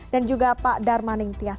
dan juga pak darmanin tias